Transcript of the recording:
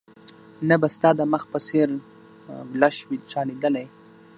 نه به ستا د مخ په څېر ګلش وي چا ليدلى